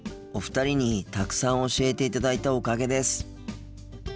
お二人にたくさん教えていただいたおかげです。